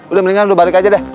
udah mendingan udah balik aja deh